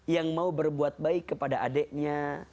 yang mau berbuat baik kepada adiknya